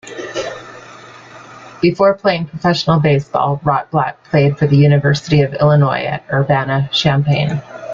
Before playing professional baseball, Rotblatt played for the University of Illinois at Urbana-Champaign.